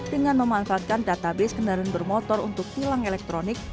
dengan memanfaatkan database kendaraan bermotor untuk hilang elektronik